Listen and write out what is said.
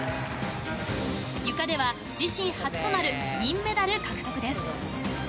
ゆかでは、自身初となる銀メダル獲得です。